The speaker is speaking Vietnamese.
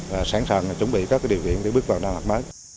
và sẵn sàng chuẩn bị các điều kiện để bước vào năm học mới